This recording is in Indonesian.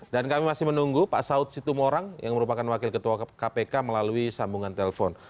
dan kami masih menunggu pak saud situmorang yang merupakan wakil ketua kpk melalui sambungan telepon